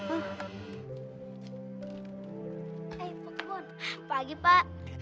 eh pak kebon pagi pak